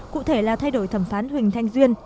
cụ thể là thay đổi thẩm phán huỳnh thanh duyên